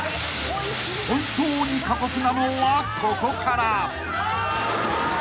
［本当に過酷なのはここから］